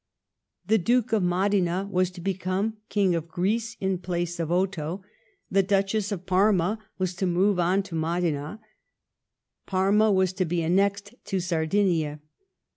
The Duke of Modena was to become King of Greece in place of Otho; the Duchess of Parma was to move on to Modena ; Parma was to be annexed to Sardinia.